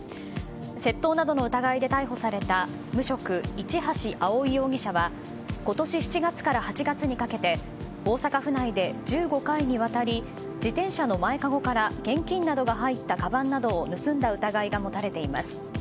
窃盗などの疑いで逮捕された無職・市橋蒼容疑者は今年７月から８月にかけて大阪府内で１５回にわたり自転車の前かごから現金などが入ったかばんなどを盗んだ疑いが持たれています。